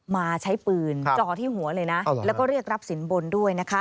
มาใช้ปืนจ่อที่หัวเลยนะแล้วก็เรียกรับสินบนด้วยนะคะ